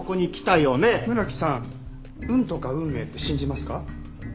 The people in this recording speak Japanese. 村木さん運とか運命って信じますか？